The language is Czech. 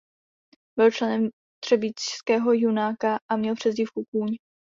Byl členem třebíčského Junáka a měl přezdívku "Kůň".